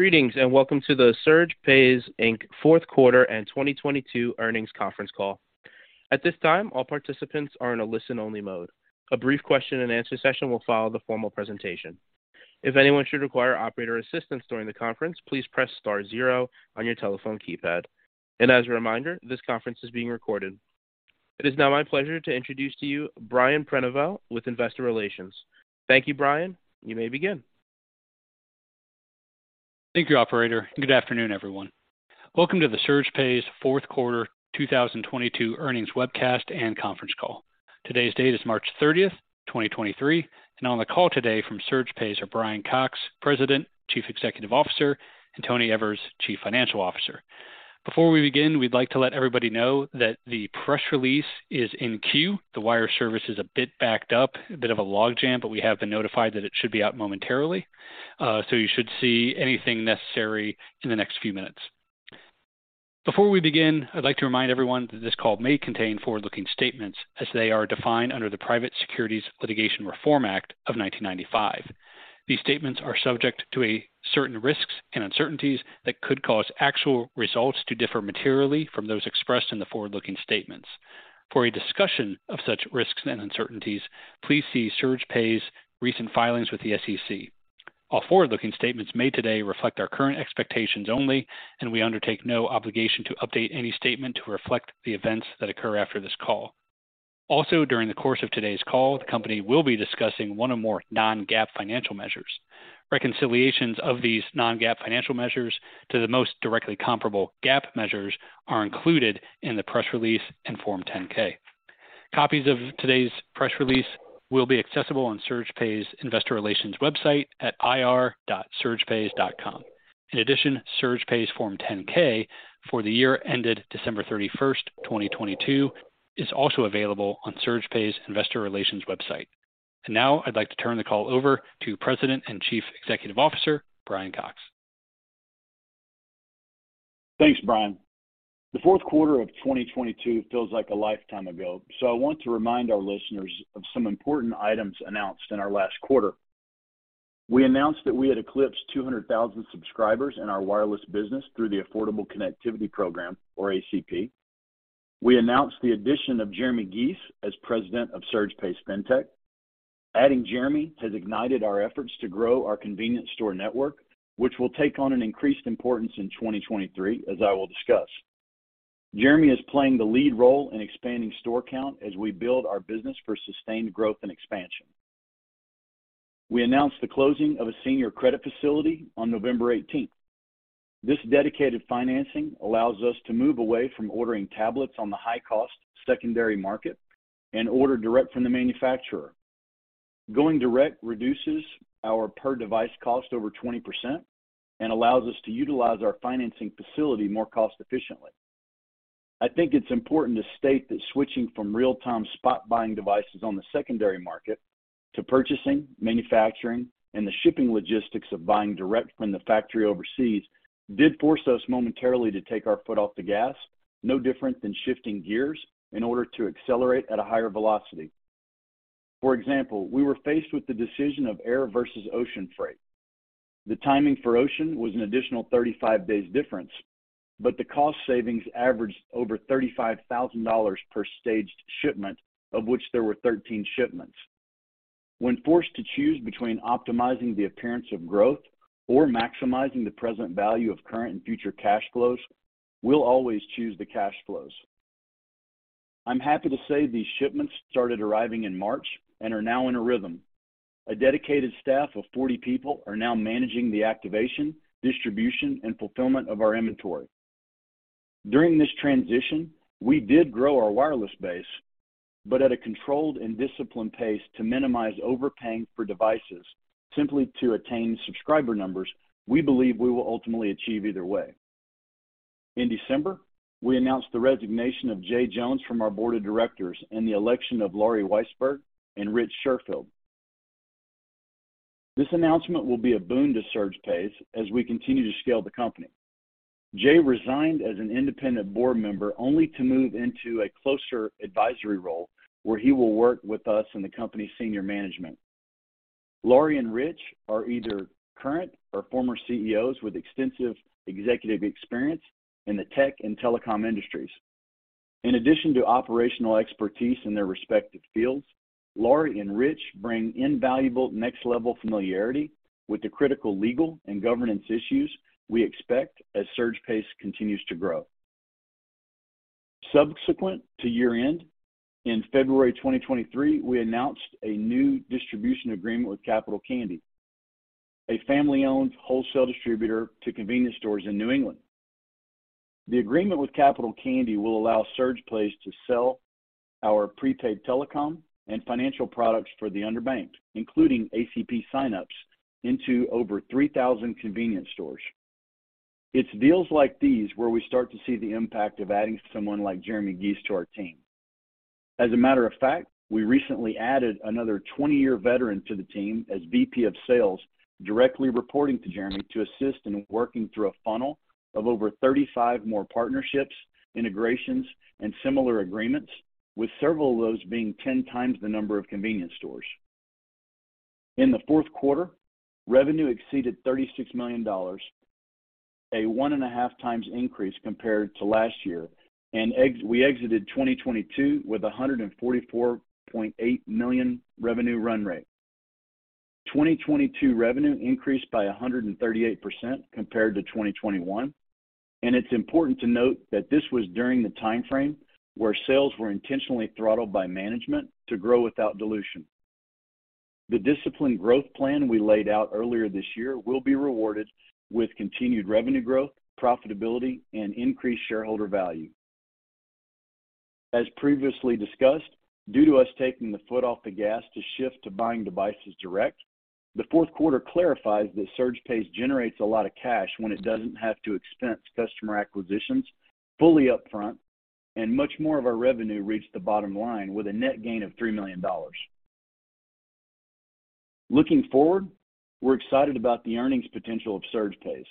Greetings, welcome to the SurgePays, Inc. Fourth Quarter and 2022 Earnings Conference Call. At this time, all participants are in a listen-only mode. A brief question-and answer session will follow the formal presentation. If anyone should require operator assistance during the conference, please press star zero on your telephone keypad. As a reminder, this conference is being recorded. It is now my pleasure to introduce to you Brian Prenoveau with Investor Relations. Thank you, Brian. You may begin. Thank you, operator. Good afternoon, everyone. Welcome to the SurgePays fourth quarter 2022 earnings webcast and conference call. Today's date is March 30th, 2023. On the call today from SurgePays are Brian Cox, President, Chief Executive Officer, and Tony Evers, Chief Financial Officer. Before we begin, we'd like to let everybody know that the press release is in queue. The wire service is a bit backed up, a bit of a log jam, but we have been notified that it should be out momentarily. You should see anything necessary in the next few minutes. Before we begin, I'd like to remind everyone that this call may contain forward-looking statements as they are defined under the Private Securities Litigation Reform Act of 1995. These statements are subject to a certain risks and uncertainties that could cause actual results to differ materially from those expressed in the forward-looking statements. For a discussion of such risks and uncertainties, please see SurgePays recent filings with the SEC. All forward-looking statements made today reflect our current expectations only, and we undertake no obligation to update any statement to reflect the events that occur after this call. Also, during the course of today's call, the company will be discussing one or more non-GAAP financial measures. Reconciliations of these non-GAAP financial measures to the most directly comparable GAAP measures are included in the press release and Form 10-K. Copies of today's press release will be accessible on SurgePays investor relations website at ir.surgepays.com. SurgePays Form 10-K for the year ended December 31st, 2022, is also available on SurgePays investor relations website. Now I'd like to turn the call over to President and Chief Executive Officer, Brian Cox. Thanks, Brian. The fourth quarter of 2022 feels like a lifetime ago. I want to remind our listeners of some important items announced in our last quarter. We announced that we had eclipsed 200,000 subscribers in our Wireless business through the Affordable Connectivity Program, or ACP. We announced the addition of Jeremy Gies as President of SurgePays Fintech. Adding Jeremy has ignited our efforts to grow our convenience store network, which will take on an increased importance in 2023, as I will discuss. Jeremy is playing the lead role in expanding store count as we build our business for sustained growth and expansion. We announced the closing of a senior credit facility on November 18th. This dedicated financing allows us to move away from ordering tablets on the high cost secondary market and order direct from the manufacturer. Going direct reduces our per device cost over 20% and allows us to utilize our financing facility more cost efficiently. I think it's important to state that switching from real-time spot buying devices on the secondary market to purchasing, manufacturing, and the shipping logistics of buying direct from the factory overseas did force us momentarily to take our foot off the gas, no different than shifting gears in order to accelerate at a higher velocity. For example, we were faced with the decision of air versus ocean freight. The timing for ocean was an additional 35 days difference, but the cost savings averaged over $35,000 per staged shipment, of which there were 13 shipments. When forced to choose between optimizing the appearance of growth or maximizing the present value of current and future cash flows, we'll always choose the cash flows. I'm happy to say these shipments started arriving in March and are now in a rhythm. A dedicated staff of 40 people are now managing the activation, distribution, and fulfillment of our inventory. During this transition, we did grow our wireless base, but at a controlled and disciplined pace to minimize overpaying for devices simply to attain subscriber numbers we believe we will ultimately achieve either way. In December, we announced the resignation of Jay Jones from our board of directors and the election of Laurie Weisberg and Richard Schurfeld. This announcement will be a boon to SurgePays as we continue to scale the company. Jay resigned as an independent board member only to move into a closer advisory role where he will work with us and the company's senior management. Laurie and Rich are either current or former CEOs with extensive executive experience in the tech and telecom industries. In addition to operational expertise in their respective fields, Laurie and Rich bring invaluable next-level familiarity with the critical legal and governance issues we expect as SurgePays continues to grow. Subsequent to year-end, in February 2023, we announced a new distribution agreement with Capital Candy, a family-owned wholesale distributor to convenience stores in New England. The agreement with Capital Candy will allow SurgePays to sell our prepaid telecom and financial products for the underbanked, including ACP signups into over 3,000 convenience stores. It's deals like these where we start to see the impact of adding someone like Jeremy Gies to our team. As a matter of fact, we recently added another 20-year veteran to the team as VP of Sales directly reporting to Jeremy to assist in working through a funnel of over 35 more partnerships, integrations, and similar agreements, with several of those being 10x the number of convenience stores. In the fourth quarter, revenue exceeded $36 million, a 1.5x increase compared to last year. We exited 2022 with a $144.8 million revenue run rate. 2022 revenue increased by 138% compared to 2021. It's important to note that this was during the timeframe where sales were intentionally throttled by management to grow without dilution. The disciplined growth plan we laid out earlier this year will be rewarded with continued revenue growth, profitability, and increased shareholder value. As previously discussed, due to us taking the foot off the gas to shift to buying devices direct, the fourth quarter clarifies that SurgePays generates a lot of cash when it doesn't have to expense customer acquisitions fully upfront, and much more of our revenue reached the bottom line with a net gain of $3 million. Looking forward, we're excited about the earnings potential of SurgePays.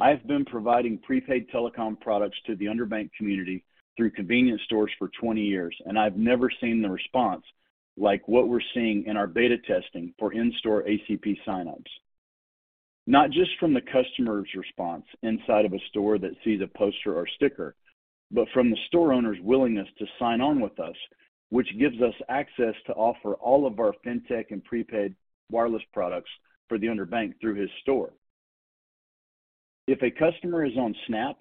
I've been providing prepaid telecom products to the underbanked community through convenience stores for 20 years, and I've never seen the response like what we're seeing in our beta testing for in-store ACP sign-ups. Not just from the customer's response inside of a store that sees a poster or sticker, but from the store owner's willingness to sign on with us, which gives us access to offer all of our fintech and prepaid wireless products for the underbanked through his store. If a customer is on SNAP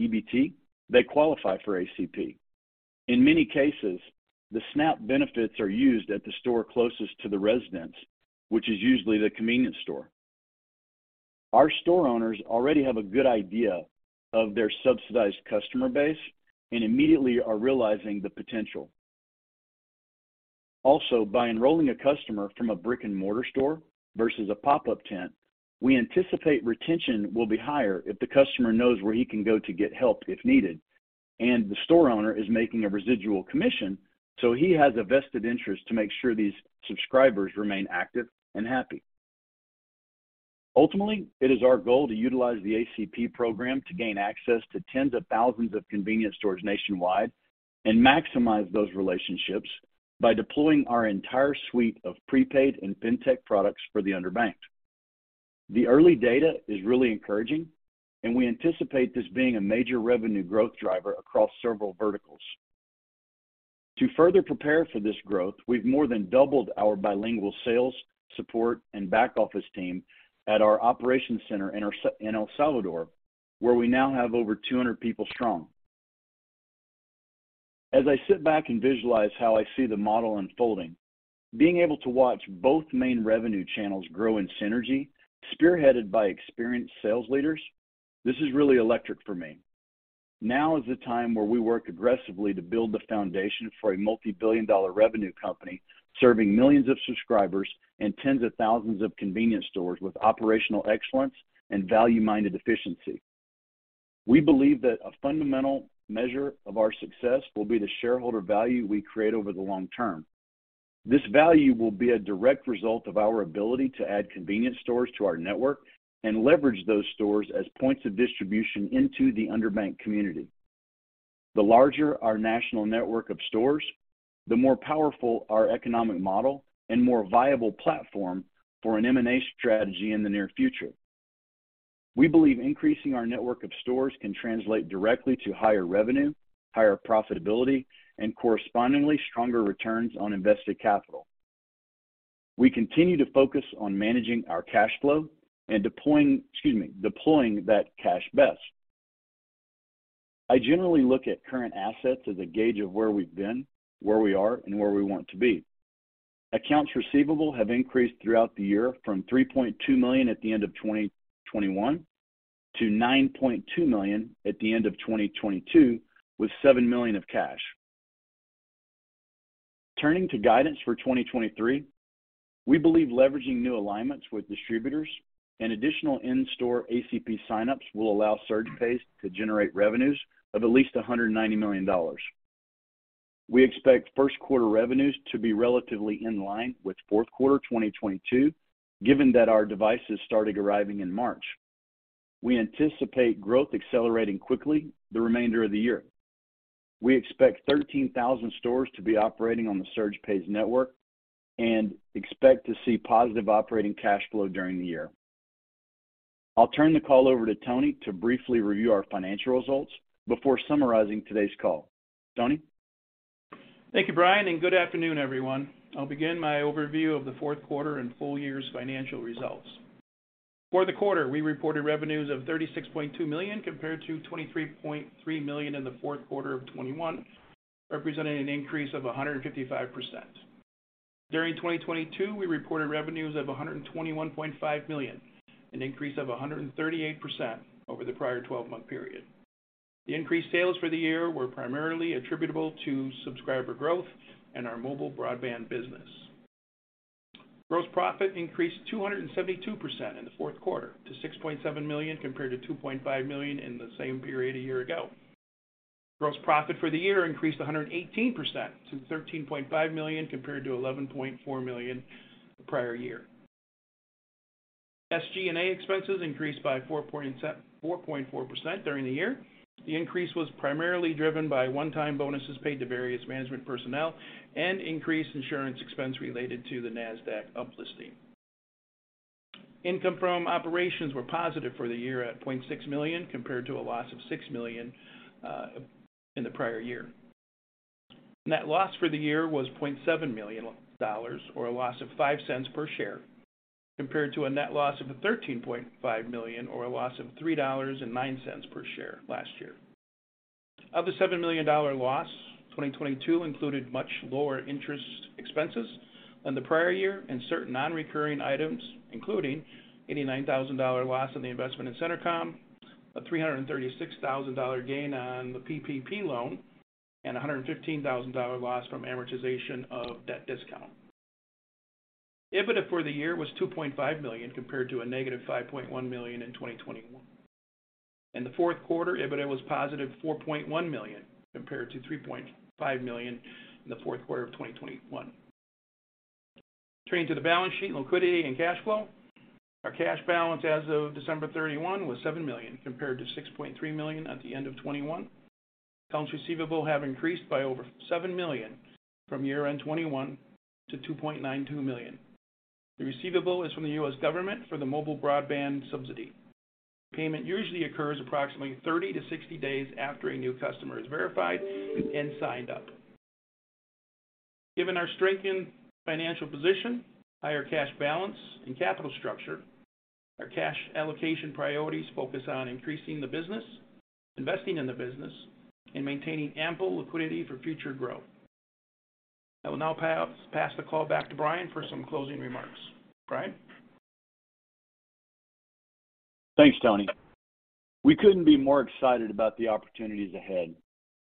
EBT, they qualify for ACP. In many cases, the SNAP benefits are used at the store closest to the residence, which is usually the convenience store. Our store owners already have a good idea of their subsidized customer base and immediately are realizing the potential. By enrolling a customer from a brick-and-mortar store versus a pop-up tent, we anticipate retention will be higher if the customer knows where he can go to get help if needed. The store owner is making a residual commission, so he has a vested interest to make sure these subscribers remain active and happy. Ultimately, it is our goal to utilize the ACP program to gain access to tens of thousands of convenience stores nationwide and maximize those relationships by deploying our entire suite of prepaid and fintech products for the underbanked. The early data is really encouraging, and we anticipate this being a major revenue growth driver across several verticals. To further prepare for this growth, we've more than doubled our bilingual sales, support, and back office team at our operations center in El Salvador, where we now have over 200 people strong. As I sit back and visualize how I see the model unfolding, being able to watch both main revenue channels grow in synergy, spearheaded by experienced sales leaders, this is really electric for me. Now is the time where we work aggressively to build the foundation for a multi-billion-dollar revenue company serving millions of subscribers and tens of thousands of convenience stores with operational excellence and value-minded efficiency. We believe that a fundamental measure of our success will be the shareholder value we create over the long term. This value will be a direct result of our ability to add convenience stores to our network and leverage those stores as points of distribution into the underbanked community. The larger our national network of stores, the more powerful our economic model and more viable platform for an M&A strategy in the near future. We believe increasing our network of stores can translate directly to higher revenue, higher profitability, and correspondingly stronger returns on invested capital. We continue to focus on managing our cash flow and deploying, excuse me, deploying that cash best. I generally look at current assets as a gauge of where we've been, where we are, and where we want to be. Accounts receivable have increased throughout the year from $3.2 million at the end of 2021 to $9.2 million at the end of 2022, with $7 million of cash. Turning to guidance for 2023, we believe leveraging new alignments with distributors and additional in-store ACP sign-ups will allow SurgePays to generate revenues of at least $190 million. We expect first quarter revenues to be relatively in line with fourth quarter 2022, given that our devices started arriving in March. We anticipate growth accelerating quickly the remainder of the year. We expect 13,000 stores to be operating on the SurgePays network and expect to see positive operating cash flow during the year. I'll turn the call over to Tony to briefly review our financial results before summarizing today's call. Tony? Thank you, Brian, and good afternoon, everyone. I'll begin my overview of the fourth quarter and full year's financial results. For the quarter, we reported revenues of $36.2 million compared to $23.3 million in the fourth quarter of 2021, representing an increase of 155%. During 2022, we reported revenues of $121.5 million, an increase of 138% over the prior 12-month period. The increased sales for the year were primarily attributable to subscriber growth and our mobile broadband business. Gross profit increased 272% in the fourth quarter to $6.7 million compared to $2.5 million in the same period a year ago. Gross profit for the year increased 118% to $13.5 million compared to $11.4 million the prior year. SG&A expenses increased by 4.4% during the year. The increase was primarily driven by one-time bonuses paid to various management personnel and increased insurance expense related to the Nasdaq uplisting. Income from operations were positive for the year at $0.6 million, compared to a loss of $6 million in the prior year. Net loss for the year was $0.7 million dollars, or a loss of $0.05 per share, compared to a net loss of a $13.5 million, or a loss of $3.09 per share last year. Of the $7 million loss, 2022 included much lower interest expenses than the prior year and certain non-recurring items, including an $89,000 loss on the investment in Centercom, a $336,000 gain on the PPP loan, and a $115,000 loss from amortization of debt discount. EBITDA for the year was $2.5 million, compared to a negative $5.1 million in 2021. In the fourth quarter, EBITDA was positive $4.1 million, compared to $3.5 million in the fourth quarter of 2021. Turning to the balance sheet, liquidity and cash flow. Our cash balance as of December 31 was $7 million, compared to $6.3 million at the end of 2021. Accounts receivable have increased by over $7 million from year-end 2021 to $2.92 million. The receivable is from the U.S. government for the mobile broadband subsidy. Payment usually occurs approximately 30-60 days after a new customer is verified and signed up. Given our strengthened financial position, higher cash balance and capital structure, our cash allocation priorities focus on increasing the business, investing in the business, and maintaining ample liquidity for future growth. I will now pass the call back to Brian for some closing remarks. Brian? Thanks, Tony. We couldn't be more excited about the opportunities ahead.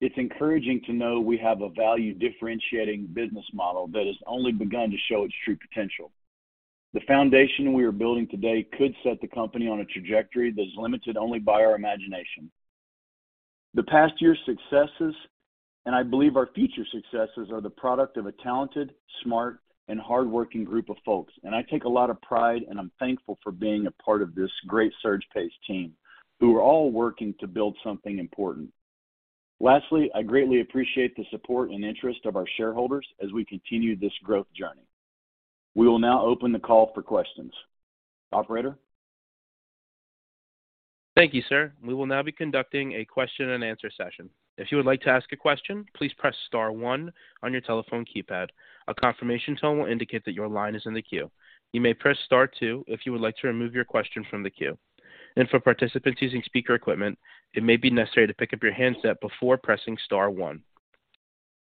It's encouraging to know we have a value-differentiating business model that has only begun to show its true potential. The foundation we are building today could set the company on a trajectory that is limited only by our imagination. The past year's successes, and I believe our future successes, are the product of a talented, smart, and hardworking group of folks, and I take a lot of pride, and I'm thankful for being a part of this great SurgePays team who are all working to build something important. Lastly, I greatly appreciate the support and interest of our shareholders as we continue this growth journey. We will now open the call for questions. Operator? Thank you, sir. We will now be conducting a question-and-answer session. If you would like to ask a question, please press star one on your telephone keypad. A confirmation tone will indicate that your line is in the queue. You may press star two if you would like to remove your question from the queue. For participants using speaker equipment, it may be necessary to pick up your handset before pressing star one.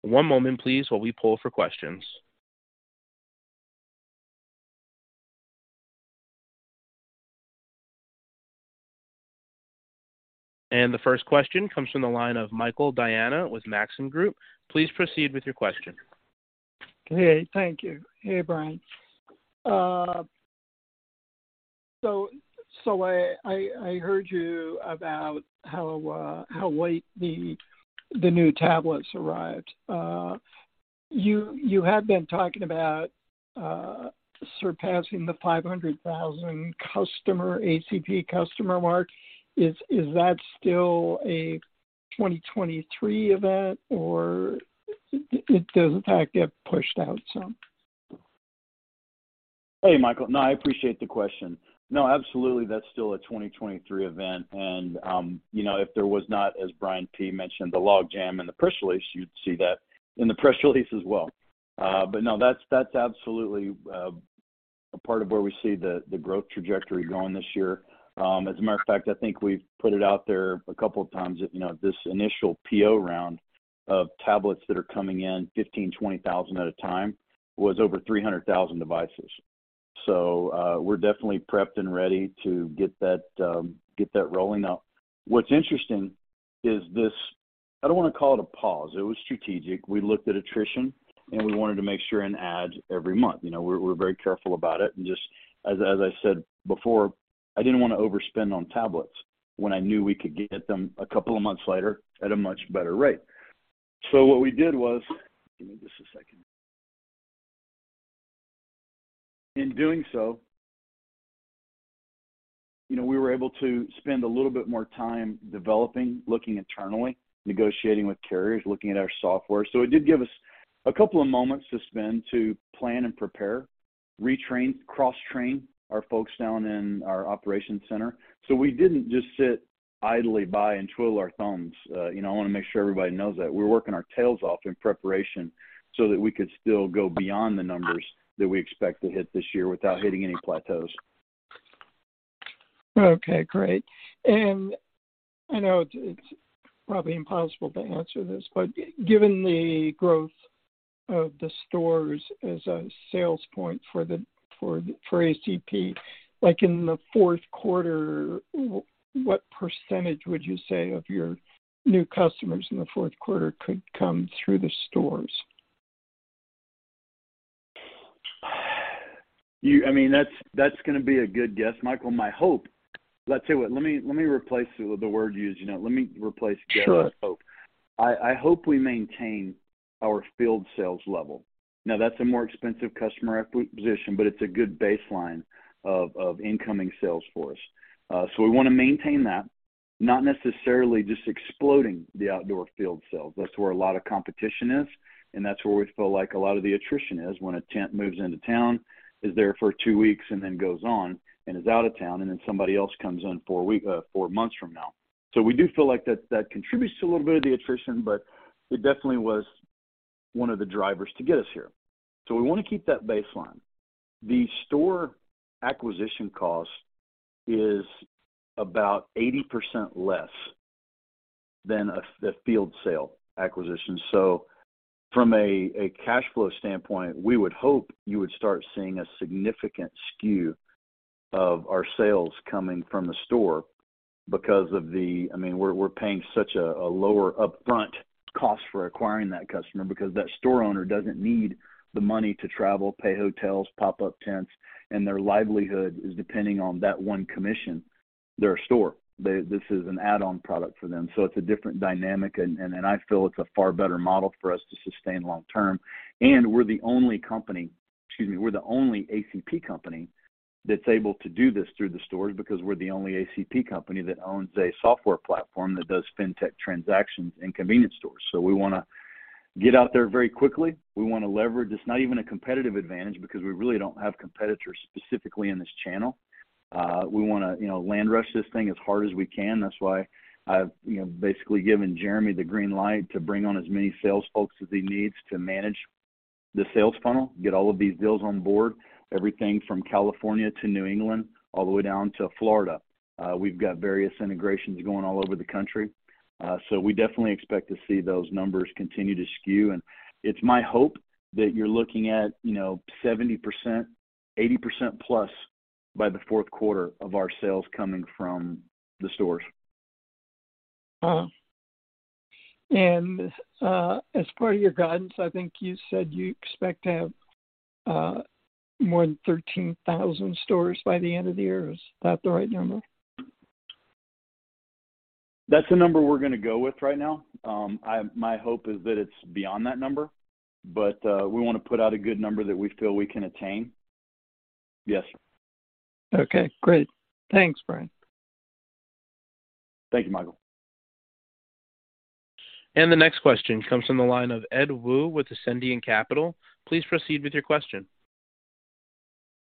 One moment please while we poll for questions. The first question comes from the line of Michael Diana with Maxim Group. Please proceed with your question. Hey, thank you. Hey, Brian. I heard you about how late the new tablets arrived. You had been talking about surpassing the 500,000 customer ACP customer mark. Is that still a 2023 event, or does it start to get pushed out some? Hey, Michael. No, I appreciate the question. Absolutely, that's still a 2023 event. You know, if there was not, as Brian P. mentioned, the log jam in the press release, you'd see that in the press release as well. That's absolutely a part of where we see the growth trajectory going this year. As a matter of fact, I think we've put it out there a couple of times that, you know, this initial PO round of tablets that are coming in, 15,000, 20,000 at a time, was over 300,000 devices. We're definitely prepped and ready to get that get that rolling out. What's interesting is this. I don't wanna call it a pause. It was strategic. We looked at attrition, and we wanted to make sure and add every month. You know, we're very careful about it. Just as I said before, I didn't wanna overspend on tablets when I knew we could get them a couple of months later at a much better rate. What we did was. Give me just a second. In doing so, you know, we were able to spend a little bit more time developing, looking internally, negotiating with carriers, looking at our software. It did give us a couple of moments to spend to plan and prepare, retrain, cross-train our folks down in our operations center. We didn't just sit idly by and twiddle our thumbs. You know, I wanna make sure everybody knows that we're working our tails off in preparation so that we could still go beyond the numbers that we expect to hit this year without hitting any plateaus. Okay, great. I know it's probably impossible to answer this, but given the growth of the stores as a sales point for the ACP, like in the fourth quarter, what percentage would you say of your new customers in the fourth quarter could come through the stores? I mean, that's gonna be a good guess, Michael. Let's see what. Let me replace the word use, you know. Sure. I hope we maintain our field sales level. That's a more expensive customer acquisition, but it's a good baseline of incoming sales force. We wanna maintain that, not necessarily just exploding the outdoor field sales. That's where a lot of competition is, and that's where we feel like a lot of the attrition is when a tent moves into town, is there for two weeks and then goes on and is out of town, and then somebody else comes in four months from now. We do feel like that contributes to a little bit of the attrition, but it definitely was one of the drivers to get us here. We wanna keep that baseline. The store acquisition cost is about 80% less than a field sale acquisition. From a cash flow standpoint, we would hope you would start seeing a significant skew of our sales coming from the store because of the. I mean, we're paying such a lower upfront cost for acquiring that customer because that store owner doesn't need the money to travel, pay hotels, pop-up tents, and their livelihood is depending on that one commission, their store. This is an add-on product for them. It's a different dynamic, and I feel it's a far better model for us to sustain long term. We're the only company, excuse me, we're the only ACP company that's able to do this through the stores because we're the only ACP company that owns a software platform that does FinTech transactions in convenience stores. We wanna get out there very quickly. We wanna leverage. It's not even a competitive advantage because we really don't have competitors specifically in this channel. We wanna, you know, land rush this thing as hard as we can. That's why I've, you know, basically given Jeremy the green light to bring on as many sales folks as he needs to manage the sales funnel, get all of these deals on board, everything from California to New England, all the way down to Florida. We've got various integrations going all over the country, so we definitely expect to see those numbers continue to skew. It's my hope that you're looking at, you know, 70%, 80% plus by the fourth quarter of our sales coming from the stores. As part of your guidance, I think you said you expect to have more than 13,000 stores by the end of the year. Is that the right number? That's the number we're gonna go with right now. My hope is that it's beyond that number, but we wanna put out a good number that we feel we can attain. Yes. Okay, great. Thanks, Brian. Thank you, Michael. The next question comes from the line of Ed Woo with Ascendiant Capital Markets. Please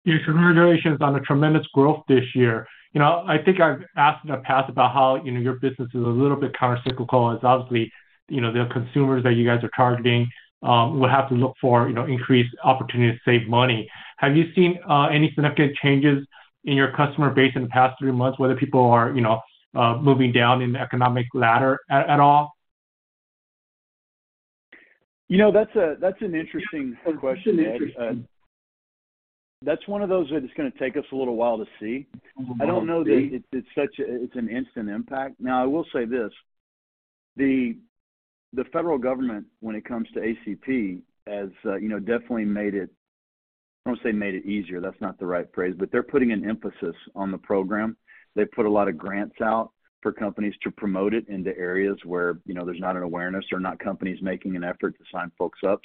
proceed with your question. Yes, congratulations on the tremendous growth this year. You know, I think I've asked in the past about how, you know, your business is a little bit countercyclical. It's obviously, you know, the consumers that you guys are targeting, will have to look for, you know, increased opportunity to save money. Have you seen any significant changes in your customer base in the past three months, whether people are, you know, moving down in the economic ladder at all? You know, that's a, that's an interesting question, Ed. That's one of those that it's gonna take us a little while to see. I don't know that it's an instant impact. I will say this, the federal government, when it comes to ACP, has, you know, definitely made it. I won't say made it easier, that's not the right phrase, but they're putting an emphasis on the program. They put a lot of grants out for companies to promote it into areas where, you know, there's not an awareness or not companies making an effort to sign folks up.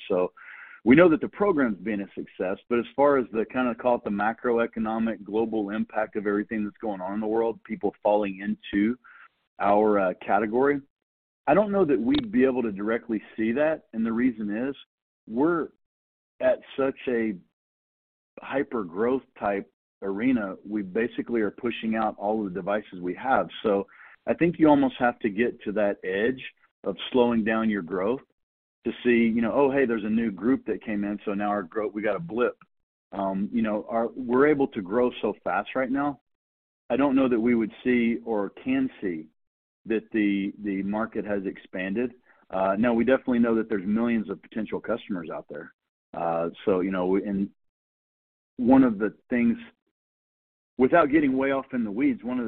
We know that the program's been a success, but as far as the kinda, call it, the macroeconomic global impact of everything that's going on in the world, people falling into our category, I don't know that we'd be able to directly see that, and the reason is, we're at such a hypergrowth type arena, we basically are pushing out all the devices we have. I think you almost have to get to that edge of slowing down your growth to see, you know, "Oh, hey, there's a new group that came in, so now our growth, we got a blip." you know, We're able to grow so fast right now. I don't know that we would see or can see that the market has expanded. Now we definitely know that there's millions of potential customers out there. you know, and without getting way off in the weeds, one of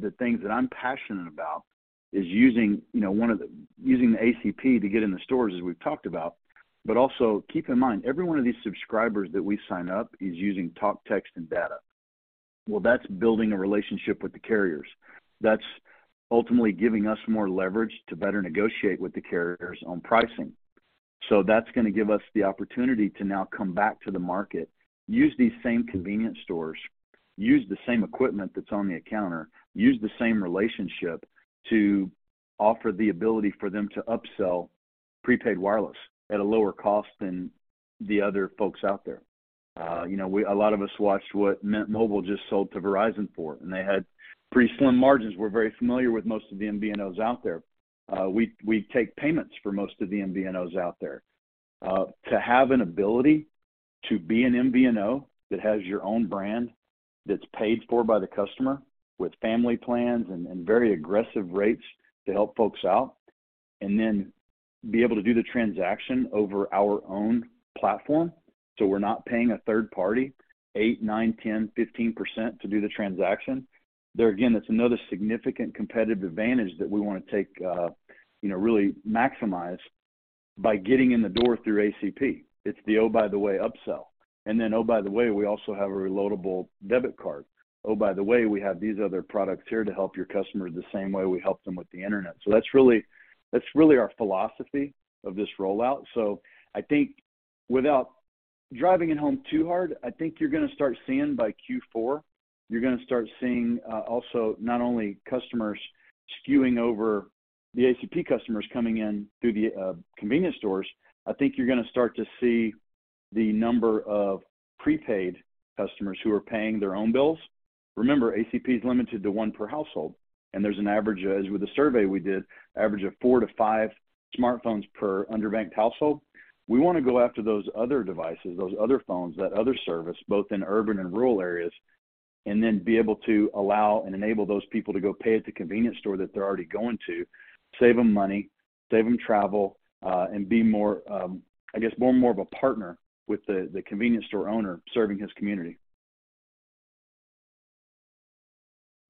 the things that I'm passionate about is using, you know, using the ACP to get in the stores, as we've talked about, but also keep in mind, every one of these subscribers that we sign up is using top text and data. That's building a relationship with the carriers. That's ultimately giving us more leverage to better negotiate with the carriers on pricing. That's gonna give us the opportunity to now come back to the market, use these same convenience stores, use the same equipment that's on the counter, use the same relationship to offer the ability for them to upsell prepaid wireless at a lower cost than the other folks out there. A lot of us watched what Mint Mobile just sold to Verizon for, and they had pretty slim margins. We're very familiar with most of the MVNOs out there. We take payments for most of the MVNOs out there. to have an ability to be an MVNO that has your own brand, that's paid for by the customer with family plans and very aggressive rates to help folks out, and then be able to do the transaction over our own platform, so we're not paying a third party 8%, 9%, 10%, 15% to do the transaction. There, again, that's another significant competitive advantage that we wanna take, you know, really maximize by getting in the door through ACP. It's the oh, by the way, upsell. oh, by the way, we also have a reloadable debit card. Oh, by the way, we have these other products here to help your customers the same way we help them with the Internet. That's really our philosophy of this rollout. I think without driving it home too hard, I think you're gonna start seeing by Q4, you're gonna start seeing, also not only customers skewing over the ACP customers coming in through the convenience stores. I think you're gonna start to see the number of prepaid customers who are paying their own bills. Remember, ACP is limited to one per household, and there's an average, as with the survey we did, average of four to five smartphones per underbanked household. We wanna go after those other devices, those other phones, that other service, both in urban and rural areas, and then be able to allow and enable those people to go pay at the convenience store that they're already going to, save them money, save them travel, and be more, I guess more and more of a partner with the convenience store owner serving his community.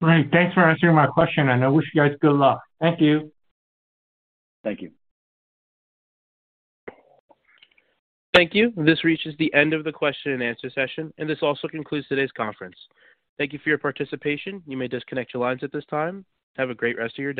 Great. Thanks for answering my question. I wish you guys good luck. Thank you. Thank you. Thank you. This reaches the end of the question-and-answer session. This also concludes today's conference. Thank you for your participation. You may disconnect your lines at this time. Have a great rest of your day.